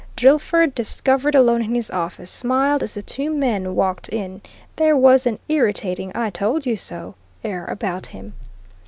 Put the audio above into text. Drillford, discovered alone in his office, smiled as the two men walked in there was an irritating I told you so air about him.